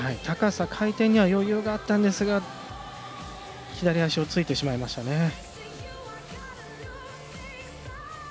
高さ、回転には余裕があったんですが左足をついてしまいましたね。